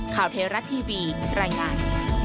ข่าวเทราะห์ทีวีรายงาน